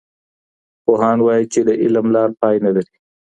پوهان وایي چي د علم لاره پای نه لري.